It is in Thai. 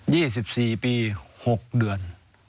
ี่สิบสี่ปีหกเดือน